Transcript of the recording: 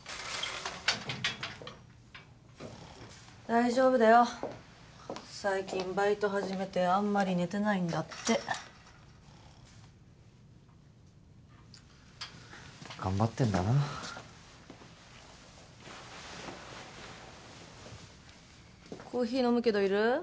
大丈夫だよ最近バイト始めてあんまり寝てないんだって頑張ってんだなコーヒー飲むけどいる？